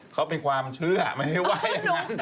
เขาเป็นความเชื่อไม่ได้ว่าอย่างนั้น